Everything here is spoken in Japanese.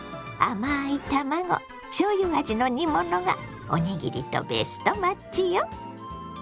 甘い卵しょうゆ味の煮物がおにぎりとベストマッチよ！